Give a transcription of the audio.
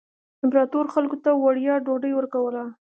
امپراتور خلکو ته وړیا ډوډۍ ورکوله.